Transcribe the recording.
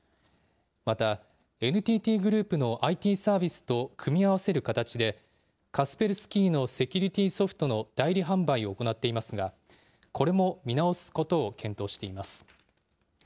また、ＮＴＴグループのＩＴサービスと組み合わせる形でカスペルスキーのセキュリティーソフトの代理販売を行っていますがこれも見直すことを検討しています。